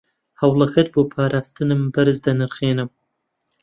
هەوڵەکەت بۆ پاراستنم بەرز دەنرخێنم.